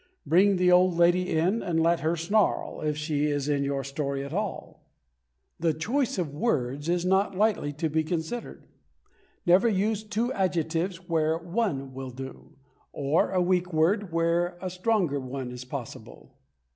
Bring the old lady in, and let her snarl, if she is in your story at all. The choice of words is not lightly to be considered. Never use two adjectives where one will do, or a weak word where a stronger one is possible.